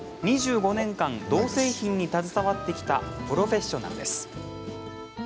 ２５年間、銅製品に携わってきたプロフェッショナルです。